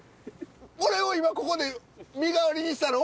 俺を今ここで身代わりにしたら。